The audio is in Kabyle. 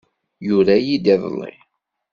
Yura-iyi-d iḍelli.